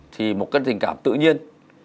thì một cái tình cảm tự nhiên